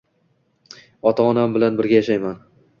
Ota-onam bilan birga yashayman.